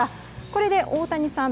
これで大谷さん